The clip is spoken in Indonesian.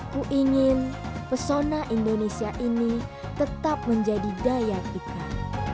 kuingin persona indonesia ini tetap menjadi daya ikan